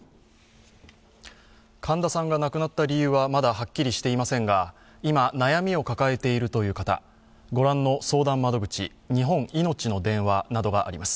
神田さんが亡くなった理由はまだはっきりしていませんが、今、悩みを抱えているという方、御覧の相談窓口日本いのちの電話などがあります。